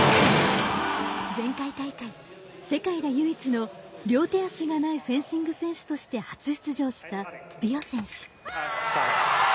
前回大会世界で唯一の両手足がないフェンシング選手として初出場したビオ選手。